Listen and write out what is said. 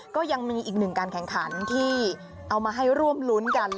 ก็ยังมีอีกหนึ่งการแข่งขันที่เอามาให้ร่วมรุ้นกัน